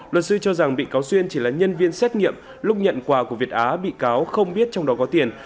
luật sư cho rằng bị cáo xuyên chỉ là nhân viên xét nghiệm lúc nhận quà của việt á bị cáo không biết trong đó có tiền